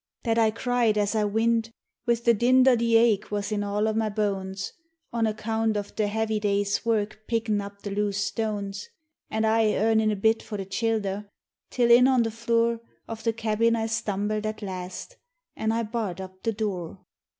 That I cried as I wint, with the dint o' the ache was in all o' my bones On account of the heavy day's work pickin' up the loose stones An' I earnin' a bit for the childher, till in on the flure Of the cabin I stumbled at last, an' I barred up the dure.